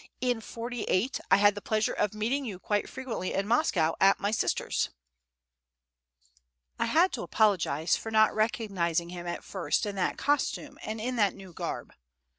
"In '48 I had the pleasure of meeting you quite frequently in Moscow at my sister's." I had to apologize for not recognizing him at first in that costume and in that new garb.